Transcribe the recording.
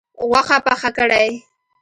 غوښه پخه کړئ